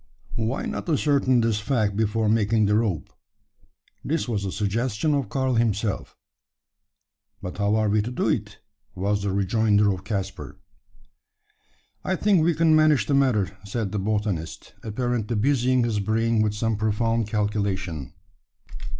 "Why not ascertain this fact before making the rope?" This was a suggestion of Karl himself. "But how are we to do it?" was the rejoinder of Caspar. "I think we can manage the matter," said the botanist, apparently busying his brain with some profound calculation.